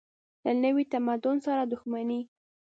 له نوي تمدن سره دښمني.